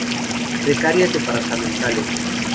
Secretarias departamentales